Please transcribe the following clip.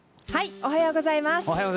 おはようございます。